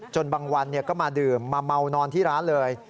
บางวันก็มาดื่มมาเมานอนที่ร้านเลย